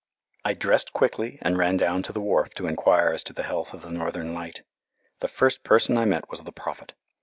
I dressed quickly and ran down to the wharf to enquire as to the health of the Northern Light. The first person I met was the Prophet.